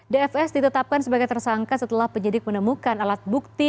dfs ditetapkan sebagai tersangka setelah penyidik menemukan alat bukti